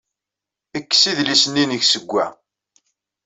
Kkes idlisen-nnek seg-a.